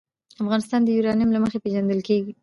افغانستان د یورانیم له مخې پېژندل کېږي.